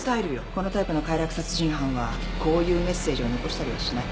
このタイプの快楽殺人犯はこういうメッセージを残したりはしない。